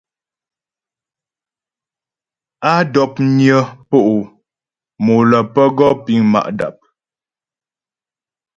Á dɔpnyə po' mo lə́ pə́ gɔ piŋ ma' dap.